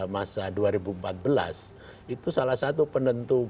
masa dua ribu empat belas itu salah satu penentu